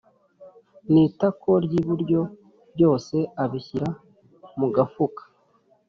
n itako ry iburyo Byose abishyira mu gafuka